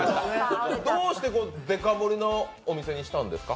どうしてデカ盛りのお店にしたんですか？